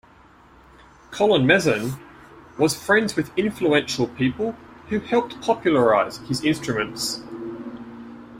Collin-Mezin was friends with influential people who helped popularize his instruments.